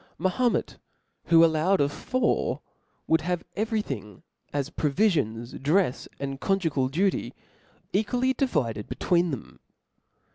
Mahomet, who allowed of four,' woul(l have every thing, as provifions, drefs, and conju gal duty, equally divided bcitween them.